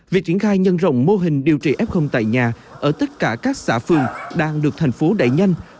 việc triển khai nhân rộng mô hình điều trị f tại nhà ở tất cả các xã phường đang được thành phố đẩy nhanh